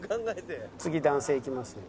次男性いきますね。